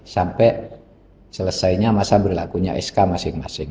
sampai selesainya masa berlakunya sk masing masing